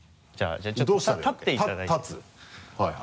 じゃあちょっと立っていただいて立つはいはい。